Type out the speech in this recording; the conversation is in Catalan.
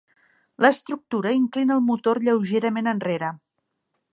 L'estructura inclina el motor lleugerament enrere.